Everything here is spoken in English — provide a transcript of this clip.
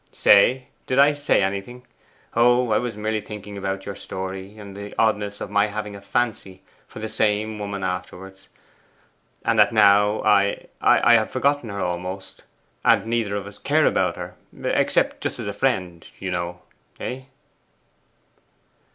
'Say? Did I say anything? Oh, I was merely thinking about your story, and the oddness of my having a fancy for the same woman afterwards. And that now I I have forgotten her almost; and neither of us care about her, except just as a friend, you know, eh?